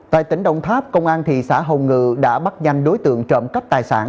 tại tỉnh đồng tháp công an thị xã hồng ngự đã bắt nhanh đối tượng trộm cắp tài sản